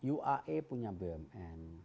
uae punya bumn